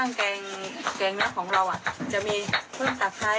แต่เครื่องแกงเนื้อของเราจะมีเพิ่มตักใช้